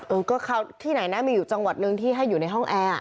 เออก็คราวที่ไหนนะมีอยู่จังหวัดนึงที่ให้อยู่ในห้องแอร์